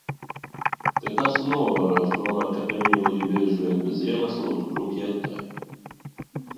Tak esmu novērojis tomēr ka Emīlija bieži vien bez iemesla uzbrūk Jetai.